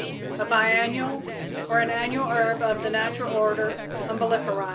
a biennial or an annual herb of the natural order Umbelliferæ.